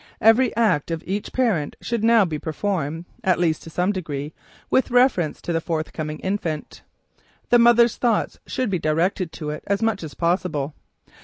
Every act of each parent should now be performed (at least to some degree) with reference to the forthcoming infant. The mother's thoughts should be directed to it as much as possible.